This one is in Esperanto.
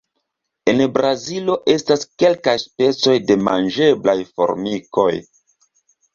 En Brazilo estas kelkaj specoj de manĝeblaj formikoj.